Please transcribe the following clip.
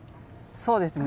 そうですね。